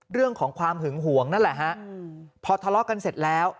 เรื่องของความหึงหวงนั่นแหละฮะพอทะเลาะกันเสร็จแล้ว